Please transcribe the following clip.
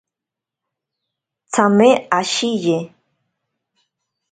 Tsame ashiye.